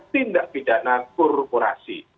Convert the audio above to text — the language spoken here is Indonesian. tindak pidana korporasi